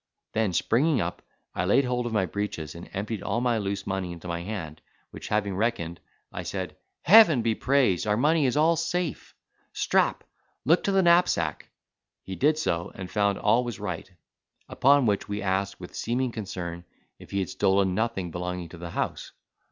Then, springing up, I laid hold of my breeches, and emptied all my loose money into my hand; which having reckoned, I said, "Heaven be praised, our money is all safe! Strap, look to the knapsack." He did so, and found all was right. Upon which we asked, with seeming concern, if he had stolen nothing belonging to the house.